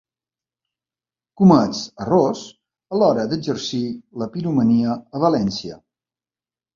Comets errors a l'hora d'exercir la piromania a València.